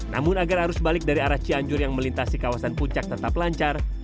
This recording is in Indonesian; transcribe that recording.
namun agar arus balik dari arah cianjur yang melintasi kawasan puncak tetap lancar